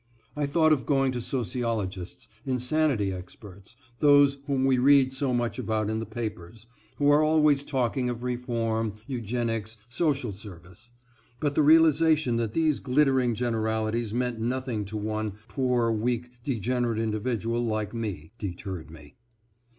I thought of going to sociologists, insanity experts, those whom we read so much about in the papers, who are always talking of reform, eugenics, social service; but the realization that these glittering generalities meant nothing to one poor, weak, degenerate individual like me, deterred me.